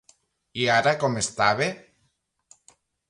I ara com estava?